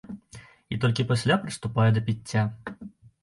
І толькі пасля прыступае да піцця.